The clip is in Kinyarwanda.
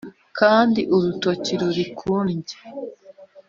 kandi urutoki ruri kundya